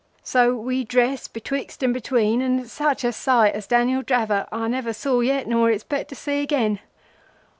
So we dressed betwixt and between, and such a sight as Daniel Dravot I never saw yet nor expect to see again.